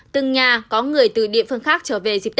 từng nhà có người từ địa phương khác trở về dịp tết